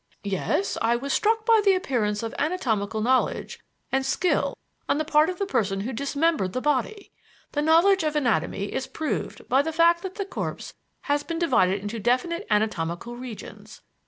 "Yes. I was struck by the appearance of anatomical knowledge and skill on the part of the person who dismembered the body. The knowledge of anatomy is proved by the fact that the corpse has been divided into definite anatomical regions.